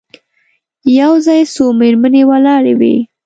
یو ځای څو مېرمنې ولاړې وې.